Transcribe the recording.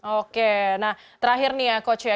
oke nah terakhir nih ya coach ya